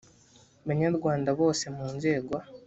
banyarwanda bose mu nzego